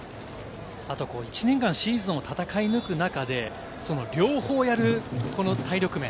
１年間、シーズンを戦い抜く中で、両方やる体力面。